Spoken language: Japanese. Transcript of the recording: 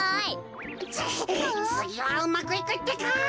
つつぎはうまくいくってか！